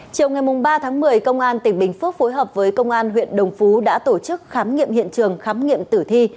chiều ngày ba tháng một mươi công an tỉnh bình phước phối hợp với công an huyện đồng phú đã tổ chức khám nghiệm hiện trường khám nghiệm tử thi